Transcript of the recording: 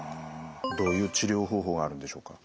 どういう治療方法があるんでしょうか？